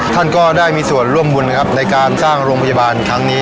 ท่านก็ได้มีส่วนร่วมบุญนะครับในการสร้างโรงพยาบาลครั้งนี้